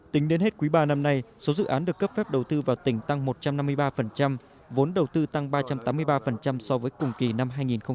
tính đến hết quý ba năm nay số dự án được cấp phép đầu tư vào tỉnh tăng một trăm năm mươi ba vốn đầu tư tăng ba trăm tám mươi ba so với cùng kỳ năm hai nghìn một mươi chín